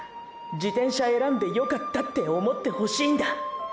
「自転車選んでよかった」って思ってほしいんだ！！